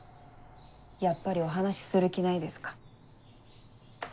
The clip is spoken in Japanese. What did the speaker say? やっぱりお話しする気ないですか？